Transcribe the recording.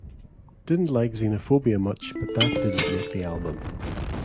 Didn't like Xenophobia much but that didn't make the album.